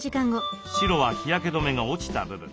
白は日焼け止めが落ちた部分。